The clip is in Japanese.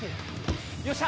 よっしゃ！